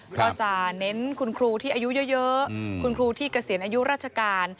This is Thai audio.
ก็จะเน้นคุณครูที่อายุเยอะคุณครูที่เกษียณอายุราชการ